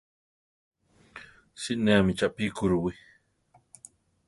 Sineámi chápi kurúwi.